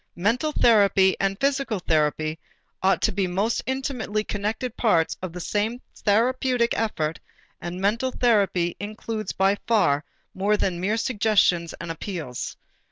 Mental therapy and physical therapy ought to be most intimately connected parts of the same therapeutic effort and mental therapy includes by far more than mere suggestions and appeals.